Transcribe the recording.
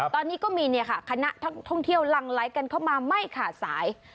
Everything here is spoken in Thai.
ตอนนี้ก็มีคณะท่องเที่ยวลั่งไหลกันเข้ามาไม่ขาดสาย